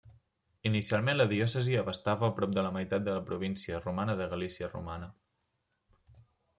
Inicialment la diòcesi abastava prop de la meitat de la província romana de Galícia romana.